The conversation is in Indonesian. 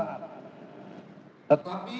dan memanfaatkan pengaruh kekuasaan